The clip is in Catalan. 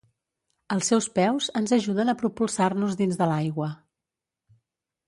Els seus peus ens ajuden a propulsar-nos dins de l'aigua.